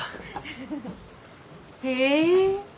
へえ。